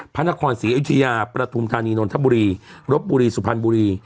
พระนครศรีอยุธยาประธุมธานีนนทบุรีรบบุรีสุพรรณบุรี